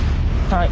はい。